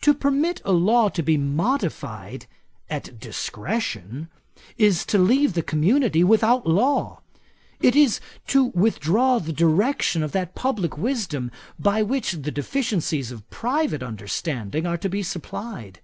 'To permit a law to be modified at discretion, is to leave the community without law. It is to withdraw the direction of that publick wisdom, by which the deficiencies of private understanding are to be supplied.